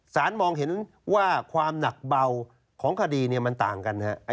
สารมองเห็นว่าความหนักเบาของคดีเนี่ยมันต่างกันฮะ